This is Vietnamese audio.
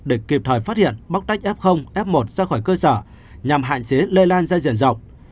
để kịp thời phát hiện mắc tách f f một ra khỏi cơ sở nhằm hạn chế lây lan ra diện rộng